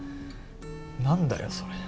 何だよそれ。